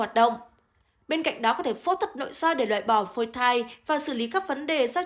hoạt động bên cạnh đó có thể phẫu thuật nội soi để loại bỏ phôi thai và xử lý các vấn đề giác